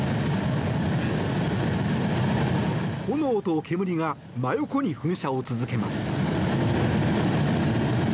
炎と煙が真横に噴射を続けます。